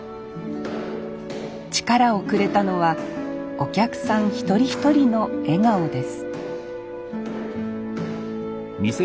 力をくれたのはお客さん一人一人の笑顔です